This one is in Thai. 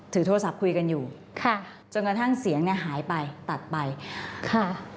ถือโทรศัพท์คุยกันอยู่จนกระทั่งเสียงหายไปตัดไปค่ะค่ะ